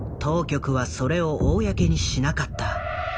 当局はそれを公にしなかった。